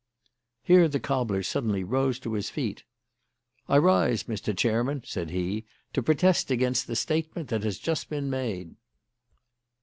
Here the cobbler suddenly rose to his feet. "I rise, Mr. Chairman," said he, "to protest against the statement that has just been made."